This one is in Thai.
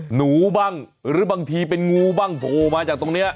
หนูบ้างหรือบางทีเป็นงูบ้างโผล่มาจากตรงนี้